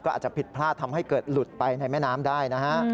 อาจจะผิดพลาดทำให้เกิดหลุดไปในแม่น้ำได้นะฮะ